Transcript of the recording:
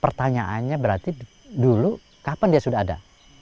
pertanyaannya berarti dulu kapan dia sudah ada